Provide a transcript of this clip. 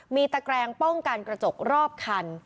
มีตะแกรงป้องกันกระจกรอบคัน